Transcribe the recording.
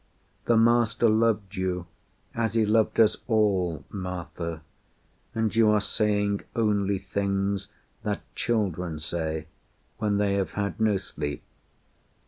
"The Master loved you as He loved us all, Martha; and you are saying only things That children say when they have had no sleep.